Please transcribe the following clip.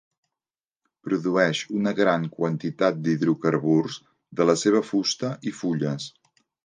Produeix una gran quantitat d'hidrocarburs de la seva fusta i fulles.